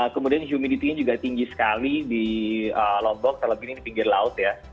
kemudian humidity nya juga tinggi sekali di lombok terlebih ini di pinggir laut ya